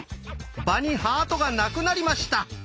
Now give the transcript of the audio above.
場にハートがなくなりました。